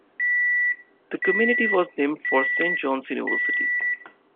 The community was named for Saint John's University.